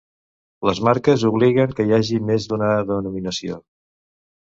Les marques obliguen que hi hagi més d'una denominació.